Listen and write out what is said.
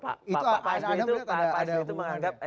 pak sbe itu menganggap